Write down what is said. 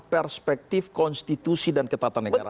perspektif konstitusi dan ketatanegaraan